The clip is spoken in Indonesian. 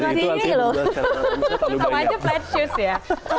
itu sama aja flat shoes ya